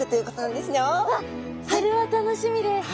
わっそれは楽しみです。